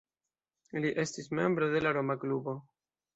Li estis membro de la Roma Klubo.